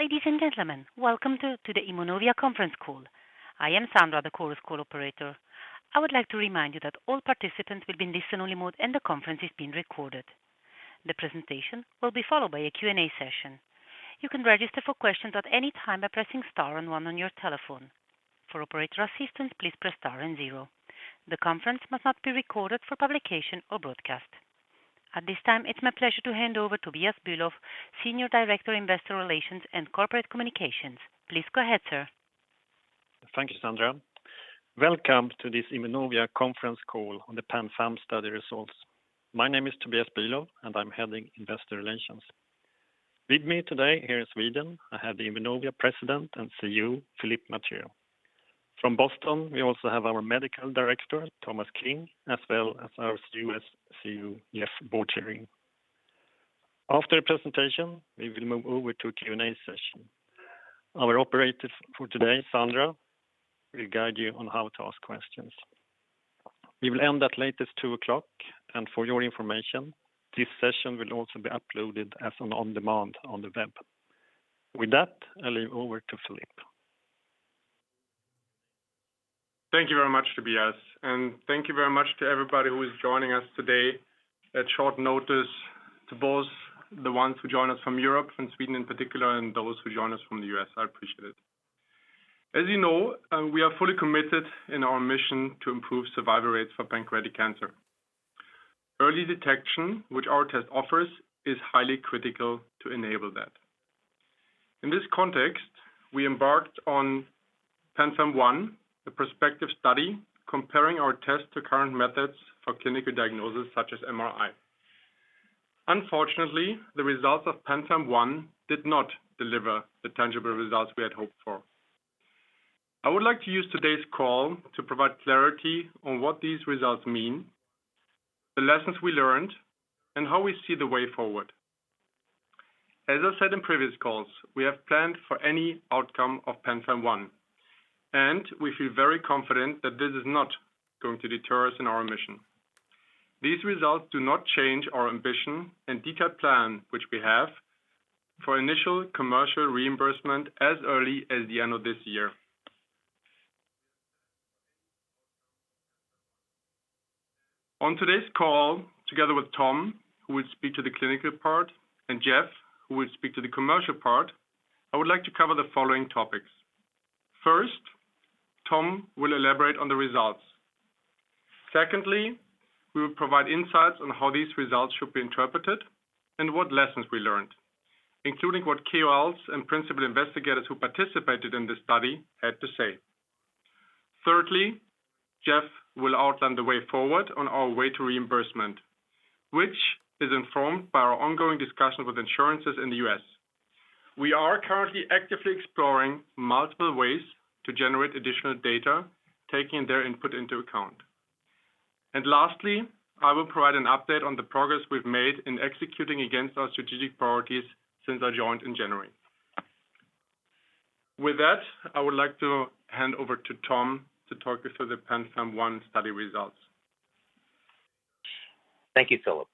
Ladies and gentlemen, welcome to the Immunovia conference call. I am Sandra, the Chorus Call operator. I would like to remind you that all participants will be in listen-only mode and the conference is being recorded. The presentation will be followed by a Q&A session. You can register for questions at any time by pressing star and one on your telephone. For operator assistance, please press star and zero. The conference must not be recorded for publication or broadcast. At this time, it's my pleasure to hand over Tobias Bülow, Senior Director, Investor Relations and Corporate Communications. Please go ahead, sir. Thank you, Sandra. Welcome to this Immunovia conference call on the PanFAM-1 study results. My name is Tobias Bülow, and I'm heading Investor Relations. With me today here in Sweden, I have the Immunovia President and CEO, Philipp Mathieu. From Boston, we also have our Medical Director, Thomas King, as well as our US CEO, Jeff Borcherding. After the presentation, we will move over to Q&A session. Our operator for today, Sandra, will guide you on how to ask questions. We will end at latest 2:00 P.M., and for your information, this session will also be uploaded as an on-demand on the web. With that, I'll hand over to Philipp. Thank you very much, Tobias, and thank you very much to everybody who is joining us today at short notice, to both the ones who join us from Europe, from Sweden in particular, and those who join us from the U.S. I appreciate it. As you know, we are fully committed in our mission to improve survival rates for pancreatic cancer. Early detection, which our test offers, is highly critical to enable that. In this context, we embarked on PanFAM-1, a prospective study comparing our test to current methods for clinical diagnosis, such as MRI. Unfortunately, the results of PanFAM-1 did not deliver the tangible results we had hoped for. I would like to use today's call to provide clarity on what these results mean, the lessons we learned, and how we see the way forward. As I said in previous calls, we have planned for any outcome of PanFAM-1, and we feel very confident that this is not going to deter us in our mission. These results do not change our ambition and detailed plan which we have for initial commercial reimbursement as early as the end of this year. On today's call, together with Tom, who will speak to the clinical part, and Jeff, who will speak to the commercial part, I would like to cover the following topics. First, Tom will elaborate on the results. Secondly, we will provide insights on how these results should be interpreted and what lessons we learned, including what KOLs and principal investigators who participated in this study had to say. Thirdly, Jeff will outline the way forward on our way to reimbursement, which is informed by our ongoing discussions with insurers in the U.S. We are currently actively exploring multiple ways to generate additional data, taking their input into account. Lastly, I will provide an update on the progress we've made in executing against our strategic priorities since I joined in January. With that, I would like to hand over to Tom to talk us through the PanFAM-1 study results. Thank you, Philipp.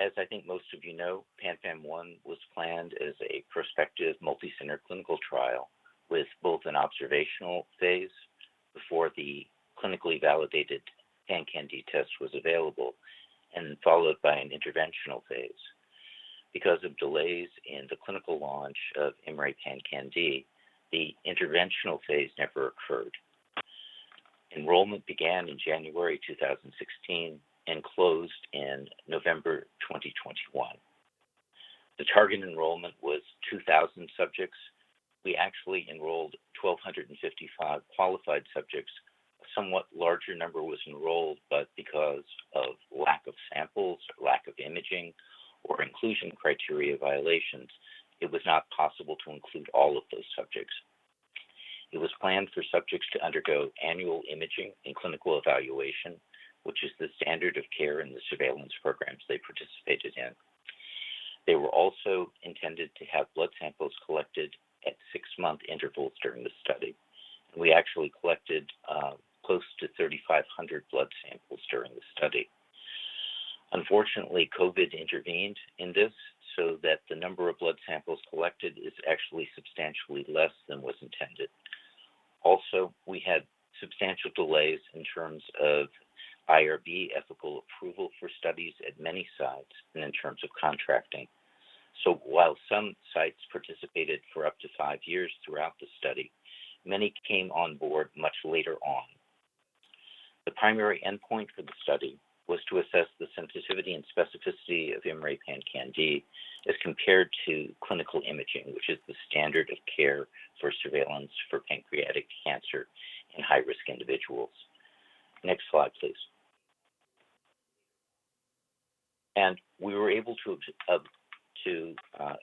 As I think most of you know, PanFAM-1 was planned as a prospective multi-center clinical trial with both an observational phase before the clinically validated IMMray PanCan-d test was available, and followed by an interventional phase. Because of delays in the clinical launch of MRI IMMray PanCan-d, the interventional phase never occurred. Enrollment began in January 2016 and closed in November 2021. The target enrollment was 2,000 subjects. We actually enrolled 1,255 qualified subjects. A somewhat larger number was enrolled, but because of lack of samples, lack of imaging, or inclusion criteria violations, it was not possible to include all of those subjects. It was planned for subjects to undergo annual imaging and clinical evaluation, which is the standard of care in the surveillance programs they participated in. They were also intended to have blood samples collected at six-month intervals during the study. We actually collected close to 3,500 blood samples during the study. Unfortunately, COVID intervened in this so that the number of blood samples collected is actually substantially less than was intended. Also, we had substantial delays in terms of IRB ethical approval for studies at many sites and in terms of contracting. While some sites participated for up to five years throughout the study, many came on board much later on. The primary endpoint for the study was to assess the sensitivity and specificity of MRI IMMray PanCan-d as compared to clinical imaging, which is the standard of care for surveillance for pancreatic cancer in high-risk individuals. Next slide, please. We were able to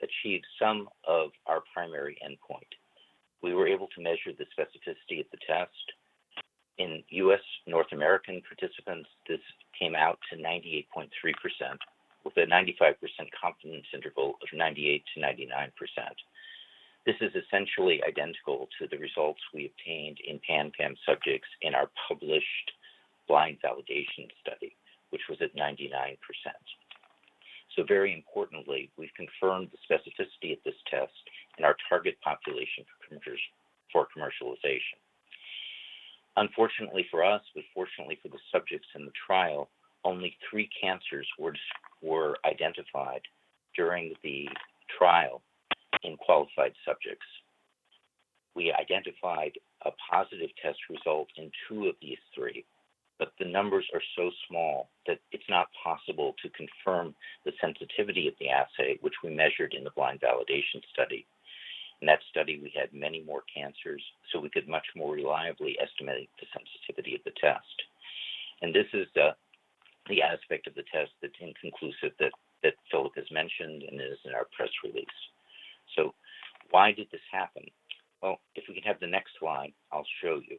achieve some of our primary endpoint. We were able to measure the specificity of the test. In U.S. North American participants, this came out to 98.3% with a 95% confidence interval of 98%-99%. This is essentially identical to the results we obtained in PanFAM-1 subjects in our published blind validation study, which was at 99%. Very importantly, we've confirmed the specificity of this test in our target population for commercialization. Unfortunately for us, but fortunately for the subjects in the trial, only three cancers were identified during the trial in qualified subjects. We identified a positive test result in two of these three, but the numbers are so small that it's not possible to confirm the sensitivity of the assay, which we measured in the blind validation study. In that study, we had many more cancers, so we could much more reliably estimate the sensitivity of the test. This is the aspect of the test that's inconclusive that Philipp has mentioned and is in our press release. Why did this happen? Well, if we could have the next slide, I'll show you.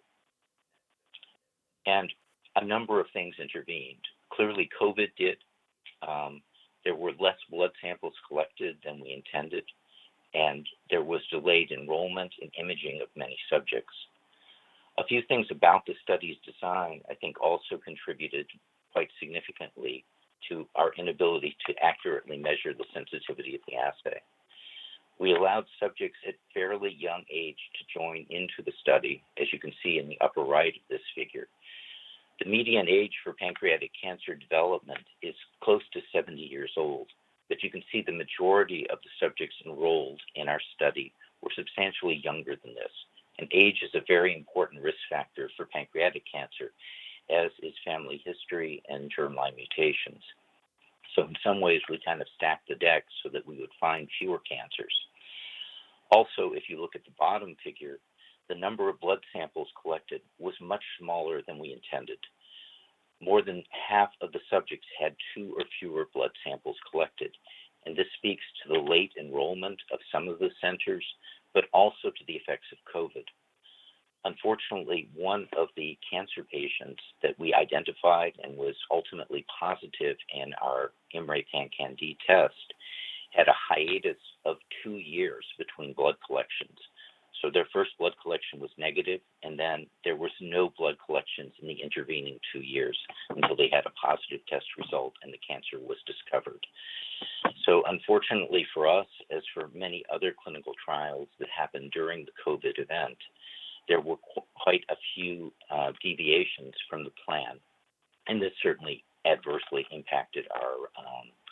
A number of things intervened. Clearly, COVID did. There were less blood samples collected than we intended, and there was delayed enrollment and imaging of many subjects. A few things about the study's design, I think, also contributed quite significantly to our inability to accurately measure the sensitivity of the assay. We allowed subjects at fairly young age to join into the study, as you can see in the upper right of this figure. The median age for pancreatic cancer development is close to 70 years old, but you can see the majority of the subjects enrolled in our study were substantially younger than this. Age is a very important risk factor for pancreatic cancer, as is family history and germline mutations. In some ways, we kind of stacked the deck so that we would find fewer cancers. If you look at the bottom figure, the number of blood samples collected was much smaller than we intended. More than half of the subjects had two or fewer blood samples collected, and this speaks to the late enrollment of some of the centers, but also to the effects of COVID. Unfortunately, one of the cancer patients that we identified and was ultimately positive in our IMMray PanCan-d test had a hiatus of two years between blood collections. Their first blood collection was negative, and then there was no blood collections in the intervening two years until they had a positive test result and the cancer was discovered. Unfortunately for us, as for many other clinical trials that happened during the COVID event, there were quite a few deviations from the plan, and this certainly adversely impacted our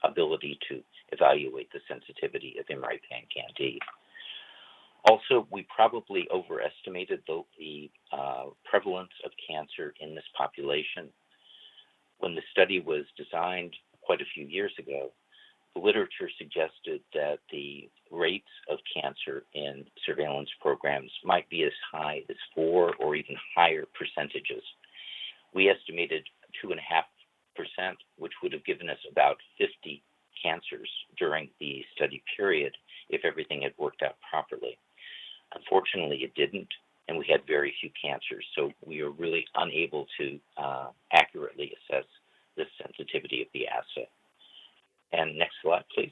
ability to evaluate the sensitivity of IMMray PanCan-d. Also, we probably overestimated the prevalence of cancer in this population. When the study was designed quite a few years ago, the literature suggested that the rates of cancer in surveillance programs might be as high as 4% or even higher. We estimated 2.5%, which would have given us about 50 cancers during the study period if everything had worked out properly. Unfortunately, it didn't, and we had very few cancers, so we are really unable to accurately assess the sensitivity of the assay. Next slide, please.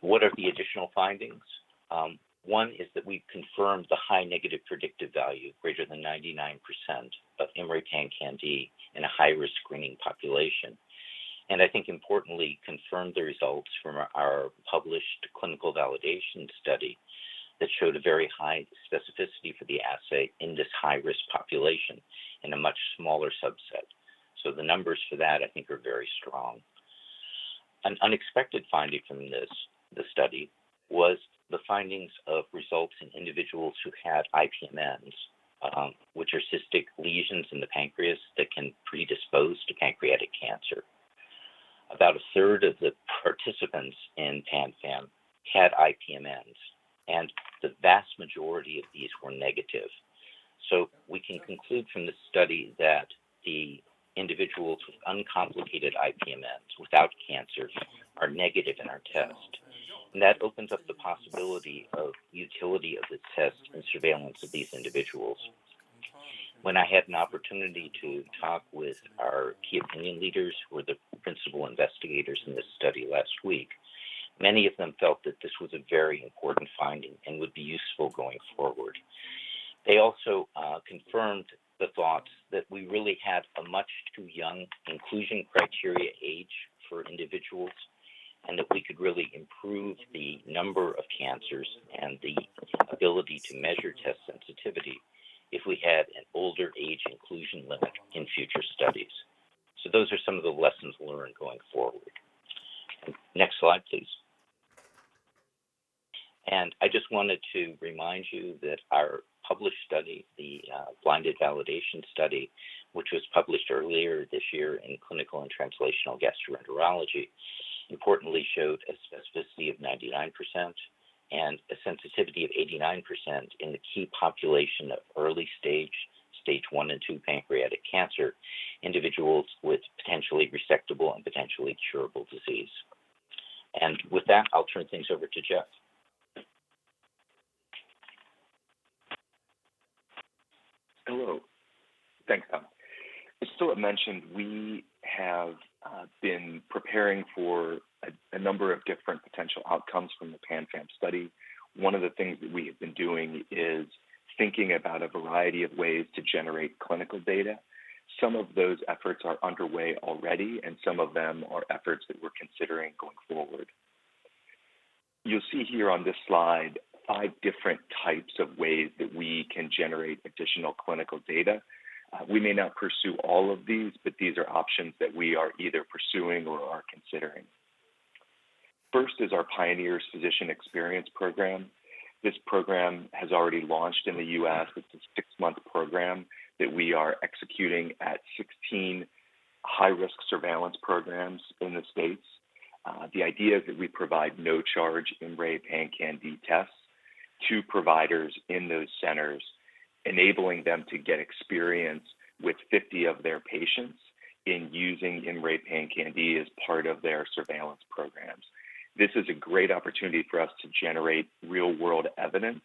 What are the additional findings? One is that we've confirmed the high negative predictive value, greater than 99%, of IMMray PanCan-d in a high-risk screening population, and I think importantly, confirmed the results from our published clinical validation study that showed a very high specificity for the assay in this high-risk population in a much smaller subset. The numbers for that, I think, are very strong. An unexpected finding from this study was the findings of results in individuals who had IPMNs, which are cystic lesions in the pancreas that can predispose to pancreatic cancer. About a third of the participants in PanFAM-1 had IPMNs, and the vast majority of these were negative. We can conclude from this study that the individuals with uncomplicated IPMNs without cancers are negative in our test, and that opens up the possibility of utility of the test and surveillance of these individuals. When I had an opportunity to talk with our key opinion leaders who were the principal investigators in this study last week, many of them felt that this was a very important finding and would be useful going forward. They also confirmed the thought that we really had a much too young inclusion criteria age for individuals and that we could really improve the number of cancers and the ability to measure test sensitivity if we had an older age inclusion limit in future studies. Those are some of the lessons learned going forward. Next slide, please. I just wanted to remind you that our published study, the blinded validation study, which was published earlier this year in Clinical and Translational Gastroenterology, importantly showed a specificity of 99% and a sensitivity of 89% in the key population of early stage one and two pancreatic cancer individuals with potentially resectable and potentially curable disease. With that, I'll turn things over to Jeff. As mentioned, we have been preparing for a number of different potential outcomes from the PanFAM-1 study. One of the things that we have been doing is thinking about a variety of ways to generate clinical data. Some of those efforts are underway already, and some of them are efforts that we're considering going forward. You'll see here on this slide five different types of ways that we can generate additional clinical data. We may not pursue all of these, but these are options that we are either pursuing or are considering. First is our Pioneers Physician Experience Program. This program has already launched in the U.S. It's a six-month program that we are executing at 16 high-risk surveillance programs in the States. The idea is that we provide no charge IMMray PanCan-d tests to providers in those centers, enabling them to get experience with 50 of their patients in using IMMray PanCan-d as part of their surveillance programs. This is a great opportunity for us to generate real-world evidence,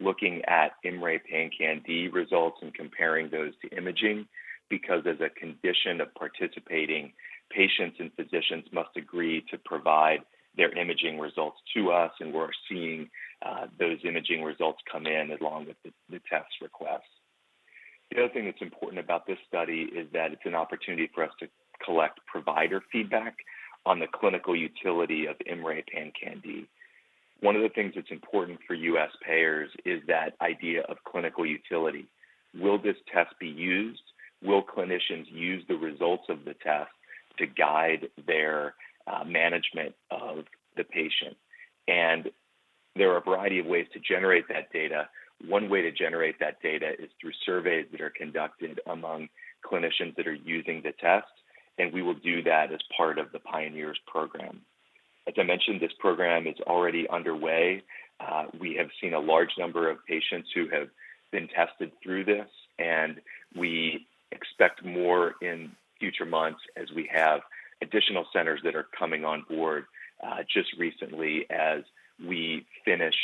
looking at IMMray PanCan-d results and comparing those to imaging, because as a condition of participating, patients and physicians must agree to provide their imaging results to us, and we're seeing those imaging results come in along with the test requests. The other thing that's important about this study is that it's an opportunity for us to collect provider feedback on the clinical utility of IMMray PanCan-d. One of the things that's important for U.S. payers is that idea of clinical utility. Will this test be used? Will clinicians use the results of the test to guide their management of the patient? There are a variety of ways to generate that data. One way to generate that data is through surveys that are conducted among clinicians that are using the test, and we will do that as part of the Pioneers program. As I mentioned, this program is already underway. We have seen a large number of patients who have been tested through this, and we expect more in future months as we have additional centers that are coming on board just recently as we finish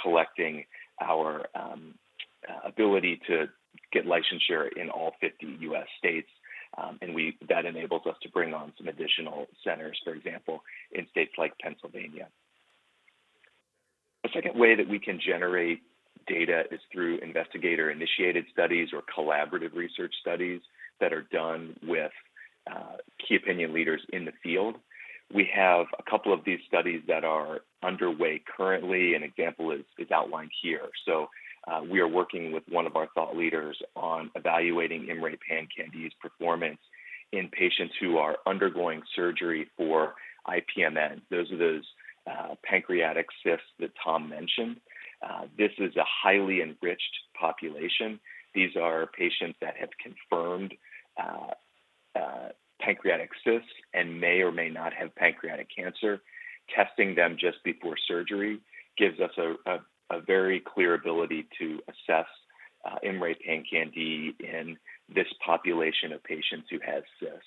collecting our ability to get licensure in all 50 U.S. states. That enables us to bring on some additional centers, for example, in states like Pennsylvania. The second way that we can generate data is through investigator-initiated studies or collaborative research studies that are done with key opinion leaders in the field. We have a couple of these studies that are underway currently. An example is outlined here. We are working with one of our thought leaders on evaluating IMMray PanCan-d's performance in patients who are undergoing surgery for IPMN. Those are pancreatic cysts that Tom mentioned. This is a highly enriched population. These are patients that have confirmed pancreatic cysts and may or may not have pancreatic cancer. Testing them just before surgery gives us a very clear ability to assess IMMray PanCan-d in this population of patients who have cysts.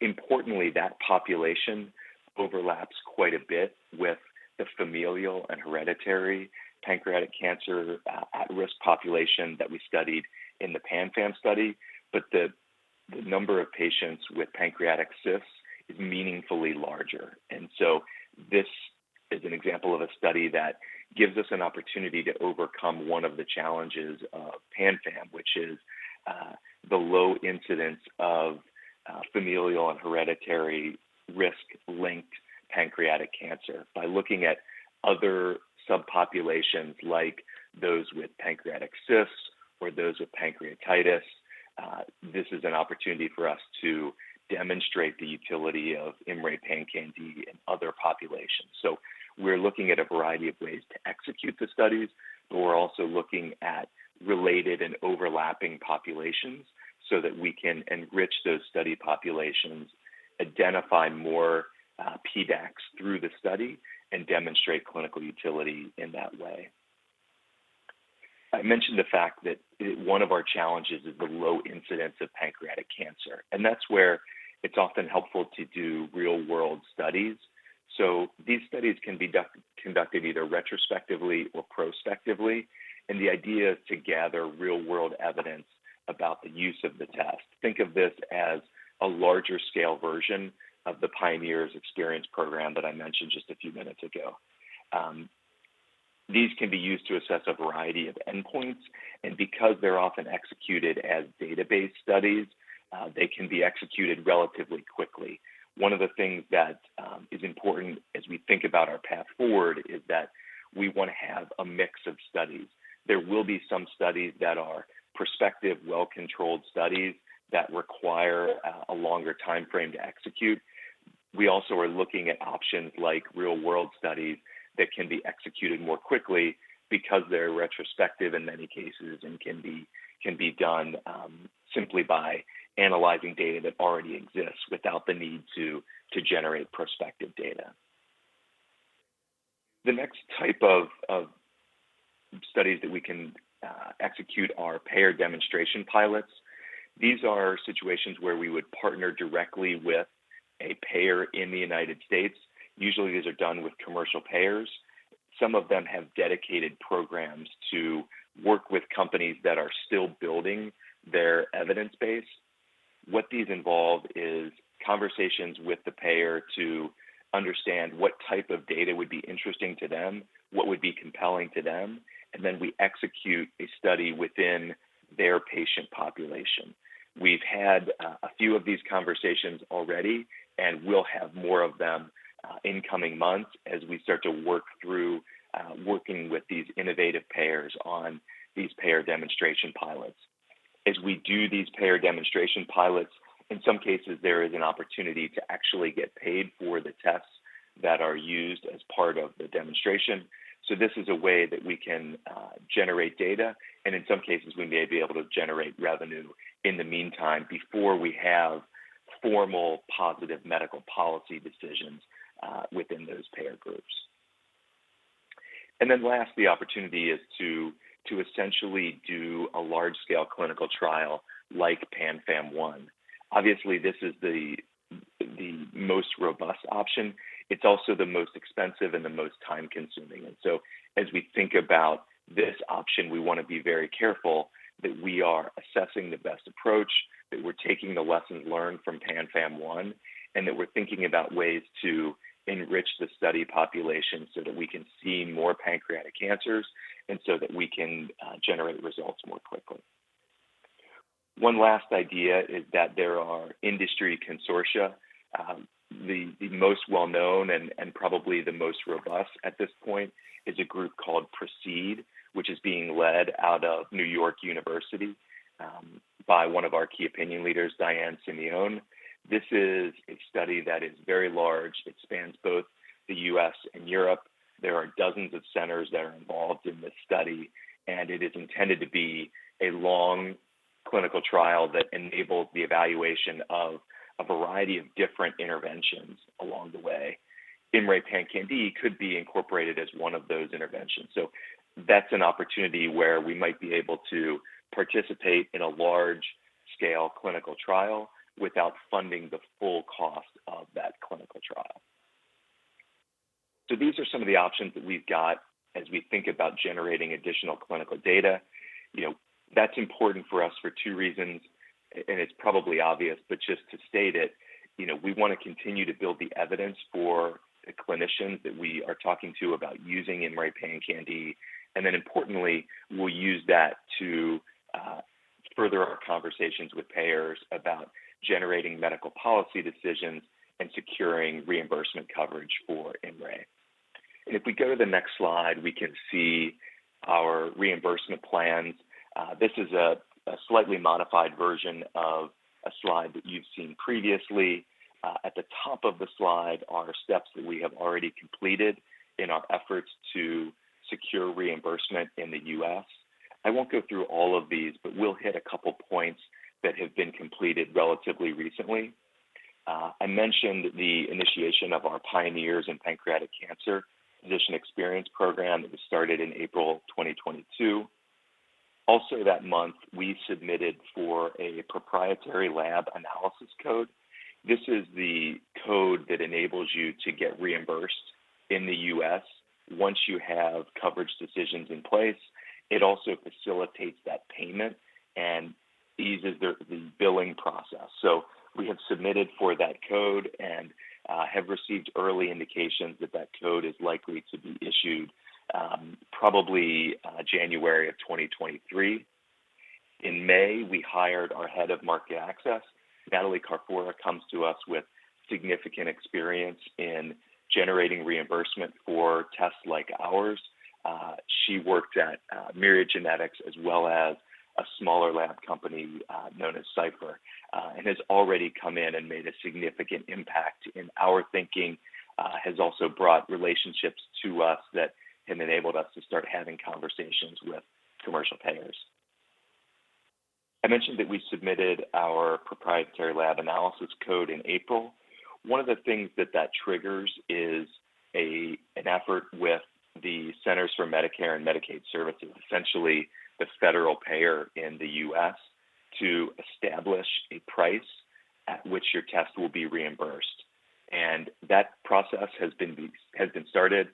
Importantly, that population overlaps quite a bit with the familial and hereditary pancreatic cancer at-risk population that we studied in the PanFAM-1 study. The number of patients with pancreatic cysts is meaningfully larger. This is an example of a study that gives us an opportunity to overcome one of the challenges of PanFAM-1, which is the low incidence of familial and hereditary risk-linked pancreatic cancer. By looking at other subpopulations like those with pancreatic cysts or those with pancreatitis, this is an opportunity for us to demonstrate the utility of IMMray PanCan-d in other populations. We're looking at a variety of ways to execute the studies, but we're also looking at related and overlapping populations so that we can enrich those study populations, identify more PDACs through the study, and demonstrate clinical utility in that way. I mentioned the fact that one of our challenges is the low incidence of pancreatic cancer, and that's where it's often helpful to do real-world studies. These studies can be conducted either retrospectively or prospectively, and the idea is to gather real-world evidence about the use of the test. Think of this as a larger scale version of the Pioneers experience program that I mentioned just a few minutes ago. These can be used to assess a variety of endpoints, and because they're often executed as database studies, they can be executed relatively quickly. One of the things that is important as we think about our path forward is that we wanna have a mix of studies. There will be some studies that are prospective, well-controlled studies that require a longer timeframe to execute. We also are looking at options like real-world studies that can be executed more quickly because they're retrospective in many cases and can be done simply by analyzing data that already exists without the need to generate prospective data. The next type of studies that we can execute are payer demonstration pilots. These are situations where we would partner directly with a payer in the United States. Usually, these are done with commercial payers. Some of them have dedicated programs to work with companies that are still building their evidence base. What these involve is conversations with the payer to understand what type of data would be interesting to them, what would be compelling to them, and then we execute a study within their patient population. We've had a few of these conversations already, and we'll have more of them in coming months as we start to work through working with these innovative payers on these payer demonstration pilots. As we do these payer demonstration pilots, in some cases, there is an opportunity to actually get paid for the tests that are used as part of the demonstration. This is a way that we can generate data, and in some cases, we may be able to generate revenue in the meantime before we have formal positive medical policy decisions within those payer groups. last, the opportunity is to essentially do a large-scale clinical trial like PanFAM-1. Obviously, this is the most robust option. It's also the most expensive and the most time-consuming. As we think about this option, we want to be very careful that we are assessing the best approach, that we're taking the lessons learned from PanFAM-1, and that we're thinking about ways to enrich the study population so that we can see more pancreatic cancers and so that we can generate results more quickly. One last idea is that there are industry consortia. The most well known and probably the most robust at this point is a group called PRECEDE, which is being led out of New York University by one of our key opinion leaders, Diane Simeone. This is a study that is very large. It spans both the US and Europe. There are dozens of centers that are involved in this study, and it is intended to be a long clinical trial that enables the evaluation of a variety of different interventions along the way. IMMray PanCan-d could be incorporated as one of those interventions. That's an opportunity where we might be able to participate in a large-scale clinical trial without funding the full cost of that clinical trial. These are some of the options that we've got as we think about generating additional clinical data. You know, that's important for us for two reasons, and it's probably obvious, but just to state it, you know, we want to continue to build the evidence for the clinicians that we are talking to about using IMMray PanCan-d, and then importantly, we'll use that to further our conversations with payers about generating medical policy decisions and securing reimbursement coverage for IMMray. If we go to the next slide, we can see our reimbursement plans. This is a slightly modified version of a slide that you've seen previously. At the top of the slide are steps that we have already completed in our efforts to secure reimbursement in the U.S. I won't go through all of these, but we'll hit a couple points that have been completed relatively recently. I mentioned the initiation of our Pioneers in Pancreatic Cancer Physician Experience Program that was started in April 2022. Also that month, we submitted for a proprietary lab analysis code. This is the code that enables you to get reimbursed in the U.S. once you have coverage decisions in place. It also facilitates that payment and eases the billing process. We have submitted for that code and have received early indications that that code is likely to be issued, probably January of 2023. In May, we hired our head of market access. Natalie Carfora comes to us with significant experience in generating reimbursement for tests like ours. She worked at Myriad Genetics, as well as a smaller lab company known as Cipherome, and has already come in and made a significant impact in our thinking, has also brought relationships to us that have enabled us to start having conversations with commercial payers. I mentioned that we submitted our proprietary lab analysis code in April. One of the things that triggers is an effort with the Centers for Medicare and Medicaid Services, essentially the federal payer in the U.S., to establish a price at which your test will be reimbursed, and that process has been started.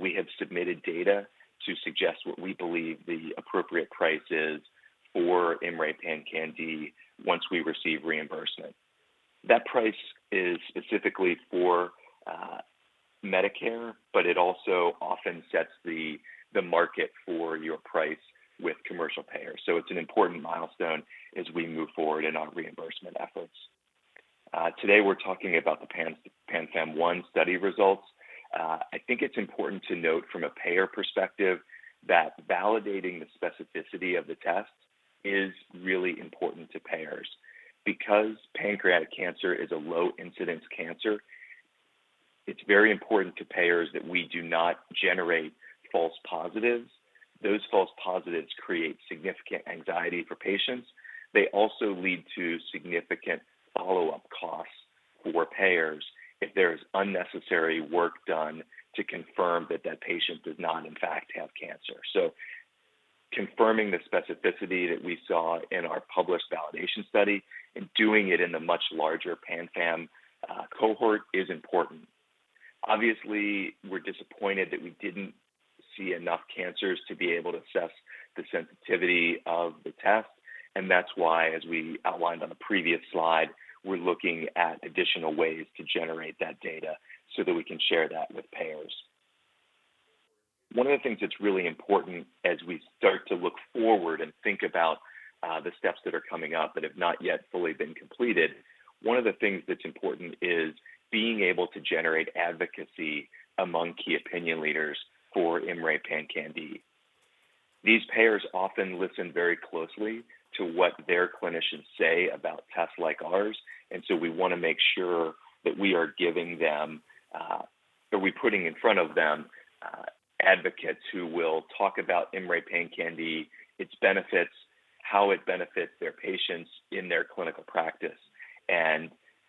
We have submitted data to suggest what we believe the appropriate price is for IMMray PanCan-d once we receive reimbursement. That price is specifically for Medicare, but it also often sets the market for your price with commercial payers. It's an important milestone as we move forward in our reimbursement efforts. Today we're talking about the PanFAM-1 study results. I think it's important to note from a payer perspective that validating the specificity of the tests is really important to payers. Because pancreatic cancer is a low-incidence cancer, it's very important to payers that we do not generate false positives. Those false positives create significant anxiety for patients. They also lead to significant follow-up costs for payers if there's unnecessary work done to confirm that that patient does not in fact have cancer. Confirming the specificity that we saw in our published validation study and doing it in a much larger PanFAM-1 cohort is important. Obviously, we're disappointed that we didn't see enough cancers to be able to assess the sensitivity of the test, and that's why, as we outlined on the previous slide, we're looking at additional ways to generate that data so that we can share that with payers. One of the things that's really important as we start to look forward and think about the steps that are coming up that have not yet fully been completed, one of the things that's important is being able to generate advocacy among key opinion leaders for IMMray PanCan-d. These payers often listen very closely to what their clinicians say about tests like ours, and so we want to make sure that we are giving them that we're putting in front of them advocates who will talk about IMMray PanCan-d, its benefits, how it benefits their patients in their clinical practice.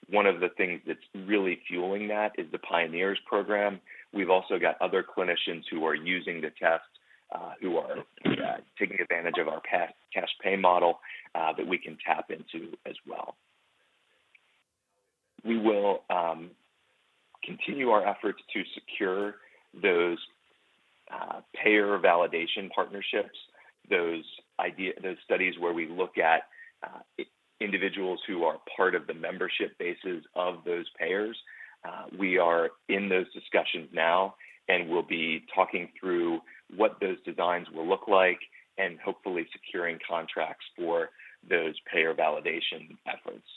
One of the things that's really fueling that is the Pioneers program. We've also got other clinicians who are using the test, taking advantage of our cash pay model, that we can tap into as well. We will continue our efforts to secure those payer validation partnerships, those studies where we look at individuals who are part of the membership bases of those payers. We are in those discussions now, and we'll be talking through what those designs will look like and hopefully securing contracts for those payer validation efforts.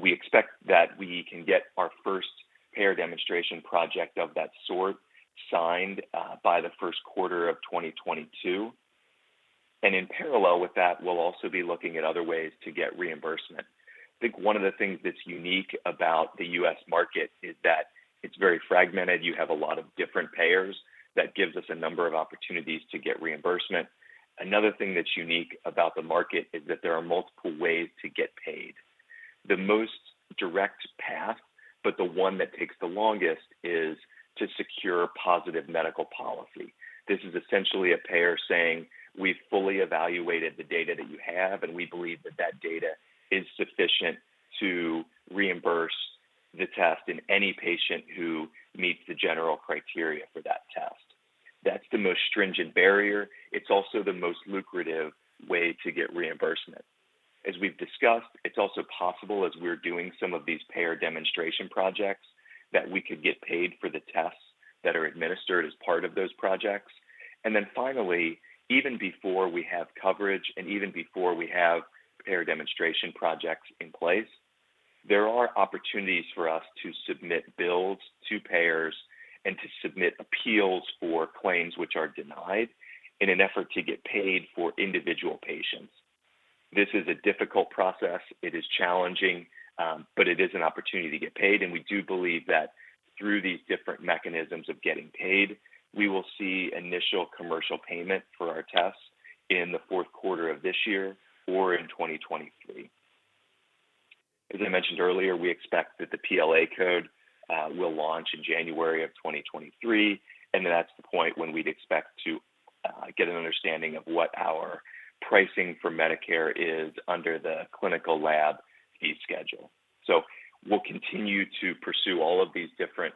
We expect that we can get our first payer demonstration project of that sort signed by the first quarter of 2022. In parallel with that, we'll also be looking at other ways to get reimbursement. I think one of the things that's unique about the U.S. market is that it's very fragmented. You have a lot of different payers. That gives us a number of opportunities to get reimbursement. Another thing that's unique about the market is that there are multiple ways to get paid. The most direct path, but the one that takes the longest, is to secure positive medical policy. This is essentially a payer saying, "We've fully evaluated the data that you have, and we believe that that data is sufficient to reimburse the test in any patient who meets the general criteria for that test." That's the most stringent barrier. It's also the most lucrative way to get reimbursement. As we've discussed, it's also possible, as we're doing some of these payer demonstration projects, that we could get paid for the tests that are administered as part of those projects. Finally, even before we have coverage and even before we have payer demonstration projects in place, there are opportunities for us to submit bills to payers and to submit appeals for claims which are denied in an effort to get paid for individual patients. This is a difficult process. It is challenging, but it is an opportunity to get paid, and we do believe that through these different mechanisms of getting paid, we will see initial commercial payment for our tests in the fourth quarter of this year or in 2023. As I mentioned earlier, we expect that the PLA code will launch in January of 2023, and that's the point when we'd expect to get an understanding of what our pricing for Medicare is under the Clinical Lab Fee Schedule. We'll continue to pursue all of these different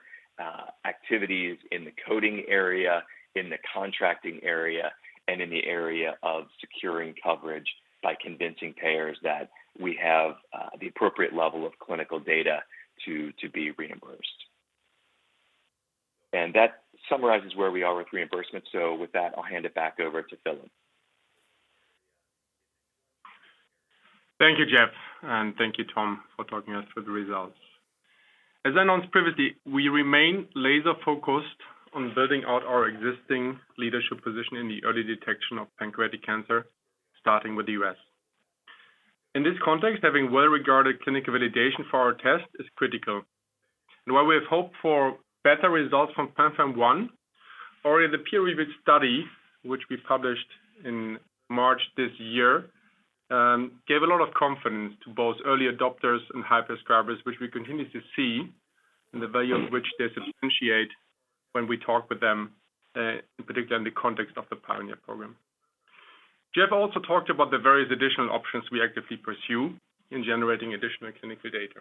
activities in the coding area, in the contracting area, and in the area of securing coverage by convincing payers that we have the appropriate level of clinical data to be reimbursed. That summarizes where we are with reimbursement. With that, I'll hand it back over to Philipp. Thank you, Jeff, and thank you, Tom, for talking us through the results. As I announced previously, we remain laser-focused on building out our existing leadership position in the early detection of pancreatic cancer, starting with the U.S. In this context, having well-regarded clinical validation for our test is critical. While we have hoped for better results from PanFAM-1, already the peer-reviewed study, which we published in March this year, gave a lot of confidence to both early adopters and high prescribers, which we continue to see, and the value of which they differentiate when we talk with them, in particular in the context of the Pioneers program. Jeff also talked about the various additional options we actively pursue in generating additional clinical data.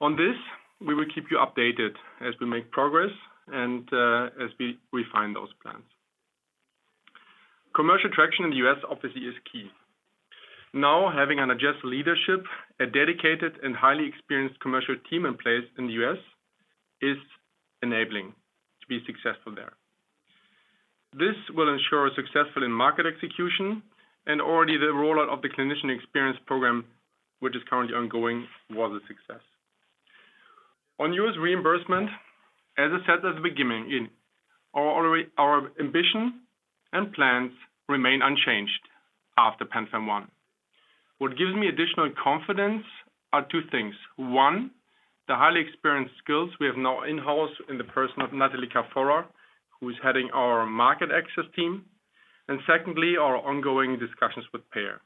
On this, we will keep you updated as we make progress and, as we refine those plans. Commercial traction in the U.S. obviously is key. Now, having an adjusted leadership, a dedicated and highly experienced commercial team in place in the U.S. is enabling to be successful there. This will ensure success in market execution, and already the rollout of the clinician experience program, which is currently ongoing, was a success. On U.S. reimbursement, as I said at the beginning, our ambition and plans remain unchanged after PanFAM-1. What gives me additional confidence are two things. One, the highly experienced skills we have now in-house in the person of Natalie Carfora, who is heading our market access team, and secondly, our ongoing discussions with payers.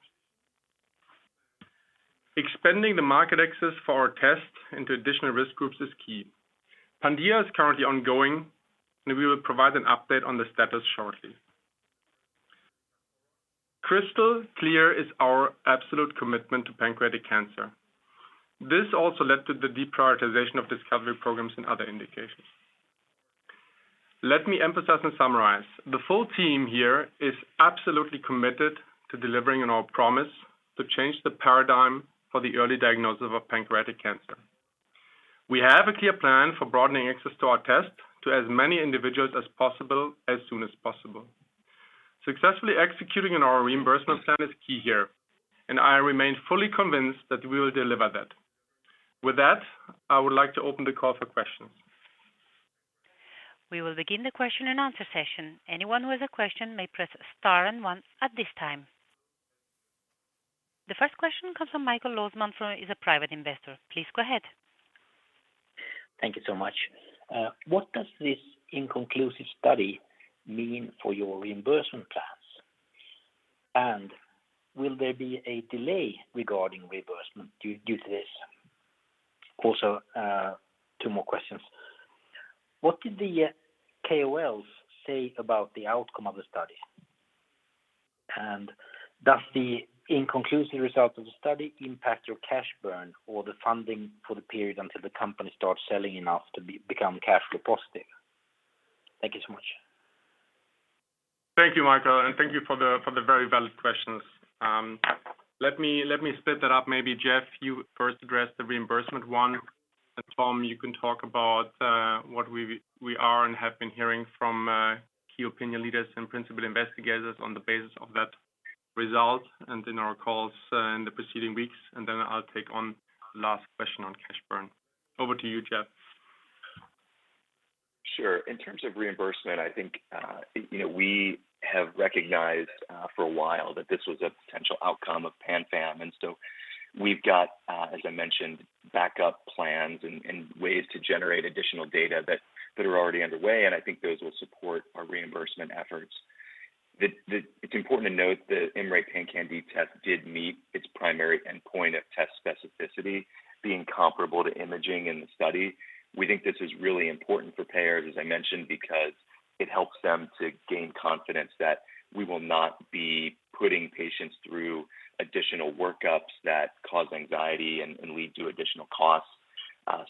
Expanding the market access for our test into additional risk groups is key. PanDIA-1 is currently ongoing, and we will provide an update on the status shortly. Crystal clear is our absolute commitment to pancreatic cancer. This also led to the deprioritization of discovery programs in other indications. Let me emphasize and summarize. The full team here is absolutely committed to delivering on our promise to change the paradigm for the early diagnosis of pancreatic cancer. We have a clear plan for broadening access to our test to as many individuals as possible, as soon as possible. Successfully executing on our reimbursement plan is key here, and I remain fully convinced that we will deliver that. With that, I would like to open the call for questions. We will begin the question and answer session. Anyone who has a question may press star and one at this time. The first question comes from Michael Losman, who is a private investor. Please go ahead. Thank you so much. What does this inconclusive study mean for your reimbursement plans? Will there be a delay regarding reimbursement due to this? Also, two more questions. What did the KOLs say about the outcome of the study? Does the inconclusive result of the study impact your cash burn or the funding for the period until the company starts selling enough to become cash flow positive? Thank you so much. Thank you, Michael, and thank you for the very valid questions. Let me split that up. Maybe Jeff, you first address the reimbursement one, and Tom, you can talk about what we are and have been hearing from key opinion leaders and principal investigators on the basis of that result and in our calls in the preceding weeks. Then I'll take on last question on cash burn. Over to you, Jeff. Sure. In terms of reimbursement, I think, you know, we have recognized for a while that this was a potential outcome of PanFam-1. We've got, as I mentioned, backup plans and ways to generate additional data that are already underway, and I think those will support our reimbursement efforts. It's important to note that IMMray PanCan-d test did meet its primary endpoint of test specificity, being comparable to imaging in the study. We think this is really important for payers, as I mentioned, because it helps them to gain confidence that we will not be putting patients through additional workups that cause anxiety and lead to additional costs.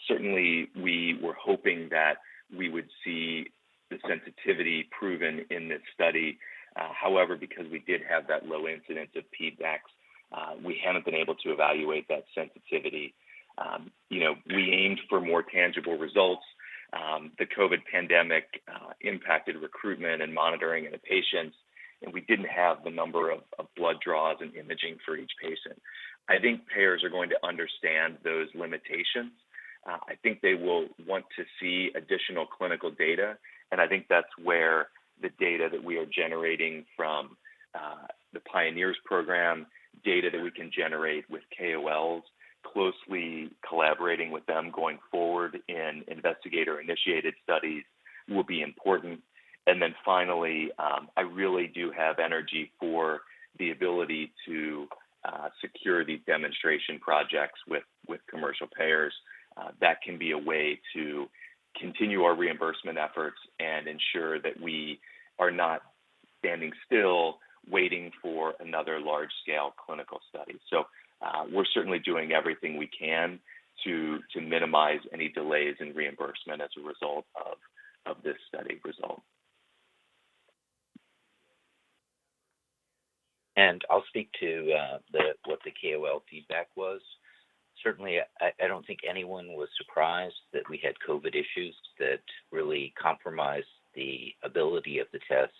Certainly, we were hoping that we would see the sensitivity proven in this study. However, because we did have that low incidence of PDACs, we haven't been able to evaluate that sensitivity. You know, we aimed for more tangible results. The COVID pandemic impacted recruitment and monitoring of the patients, and we didn't have the number of blood draws and imaging for each patient. I think payers are going to understand those limitations. I think they will want to see additional clinical data, and I think that's where the data that we are generating from the Pioneers program, data that we can generate with KOLs, closely collaborating with them going forward in investigator-initiated studies will be important. Then finally, I really do have energy for the ability to secure these demonstration projects with commercial payers. That can be a way to continue our reimbursement efforts and ensure that we are not standing still waiting for another large-scale clinical study. We're certainly doing everything we can to minimize any delays in reimbursement as a result of this study result. I'll speak to what the KOL feedback was. Certainly, I don't think anyone was surprised that we had COVID issues that really compromised the ability of the test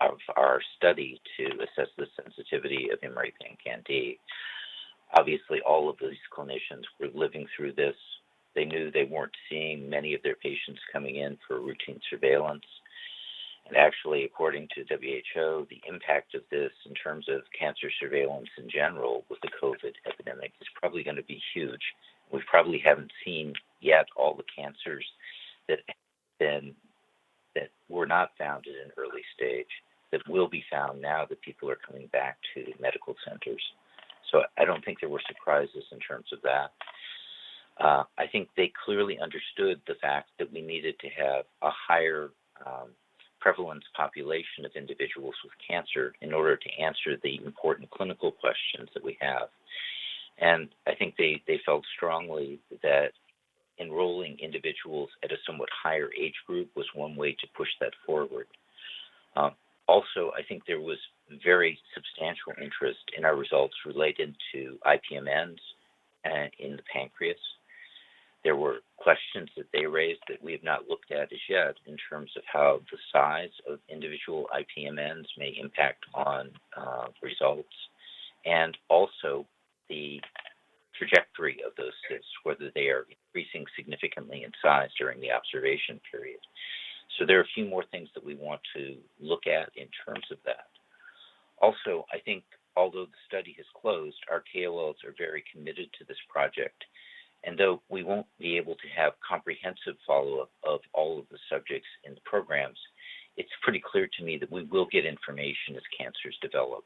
of our study to assess the sensitivity of IMMray PanCan-d. Obviously, all of these clinicians were living through this. They knew they weren't seeing many of their patients coming in for routine surveillance. Actually, according to WHO, the impact of this in terms of cancer surveillance in general with the COVID epidemic is probably gonna be huge. We probably haven't seen yet all the cancers that were not found at an early stage that will be found now that people are coming back to medical centers. I don't think there were surprises in terms of that. I think they clearly understood the fact that we needed to have a higher prevalence population of individuals with cancer in order to answer the important clinical questions that we have. I think they felt strongly that enrolling individuals at a somewhat higher age group was one way to push that forward. Also I think there was very substantial interest in our results related to IPMNs and in the pancreas. There were questions that they raised that we have not looked at as yet in terms of how the size of individual IPMNs may impact on results, and also the trajectory of those cysts, whether they are increasing significantly in size during the observation period. There are a few more things that we want to look at in terms of that. I think although the study has closed, our KOLs are very committed to this project. Though we won't be able to have comprehensive follow-up of all of the subjects in the programs, it's pretty clear to me that we will get information as cancers develop.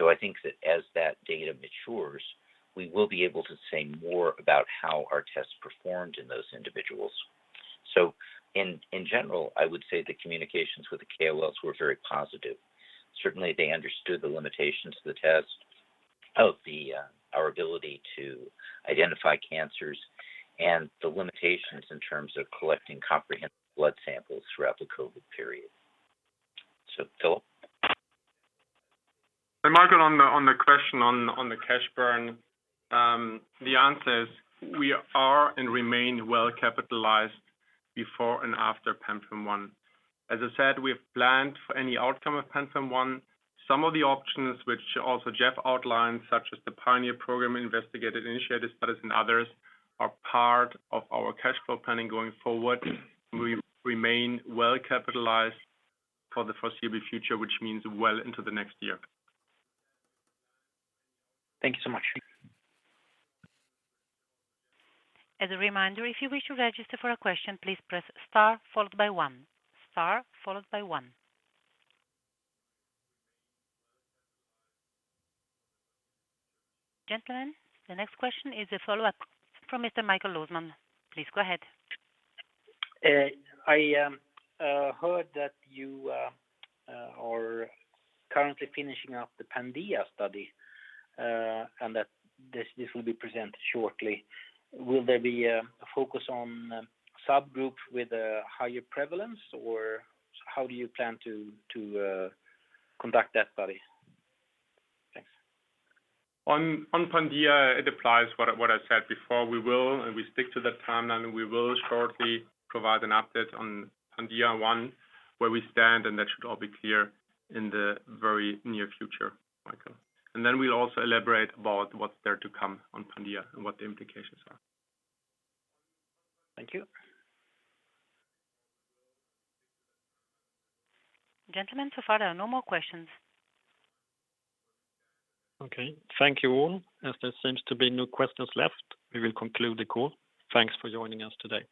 I think that as that data matures, we will be able to say more about how our tests performed in those individuals. In general, I would say the communications with the KOLs were very positive. Certainly, they understood the limitations of the test, of the, our ability to identify cancers and the limitations in terms of collecting comprehensive blood samples throughout the COVID period. Philipp. Michael, on the question on the cash burn, the answer is we are and remain well-capitalized before and after PanFAM-1. As I said, we have planned for any outcome of PanFAM-1. Some of the options which also Jeff outlined, such as the Pioneers program, Investigator-Initiated Studies, and others, are part of our cash flow planning going forward. We remain well-capitalized for the foreseeable future, which means well into the next year. Thank you so much. As a reminder, if you wish to register for a question, please press star followed by one. Star followed by one. Gentlemen, the next question is a follow-up from Mr. Michael Losman. Please go ahead. I heard that you are currently finishing up the PanDIA-1 study, and that this will be presented shortly. Will there be a focus on subgroup with a higher prevalence, or how do you plan to conduct that study? Thanks. On PanDIA-1, it applies what I said before. We will and we stick to the timeline. We will shortly provide an update on PanDIA-1 where we stand, and that should all be clear in the very near future, Michael. We'll also elaborate about what's there to come on PanDIA-1 and what the implications are. Thank you. Gentlemen, so far, there are no more questions. Okay. Thank you all. As there seems to be no questions left, we will conclude the call. Thanks for joining us today.